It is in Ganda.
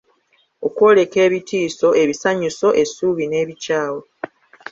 Okwoleka ebitiiso, ebisanyuso, essuubi n’ebikyawe.